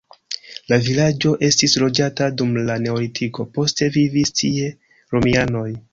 La vilaĝo estis loĝata dum la neolitiko, poste vivis tie romianoj.